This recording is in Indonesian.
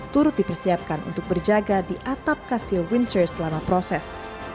turut dipersiapkan untuk berjaga di atap kastil windsor selama proses